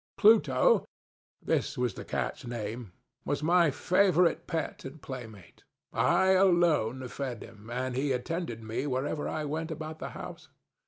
PlutoŌĆöthis was the catŌĆÖs nameŌĆöwas my favorite pet and playmate. I alone fed him, and he attended me wherever I went about the house.